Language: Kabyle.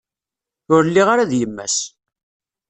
Ur lliɣ ara d yemma-s.